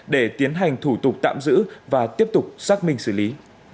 để tiến hành thủ tục tạm giữ và tiếp tục xác minh xử lý